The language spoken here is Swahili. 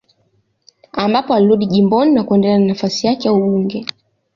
Ambapo alirudi jimboni na kuendelea na nafasi yak ya ubunge